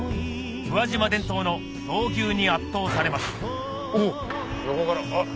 宇和島伝統の闘牛に圧倒されますうおっ！